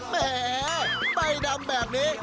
แหมใบดำแบบนี้